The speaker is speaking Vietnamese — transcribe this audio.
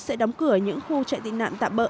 sẽ đóng cửa những khu chạy tị nạn tạm bỡ